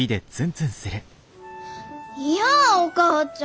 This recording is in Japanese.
いやお母ちゃん！